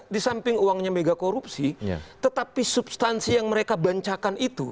di samping uangnya mega korupsi tetapi substansi yang mereka bancakan itu